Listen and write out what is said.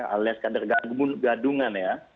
alias kader gadungan ya